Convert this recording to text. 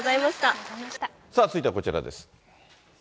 続いてはこちらです。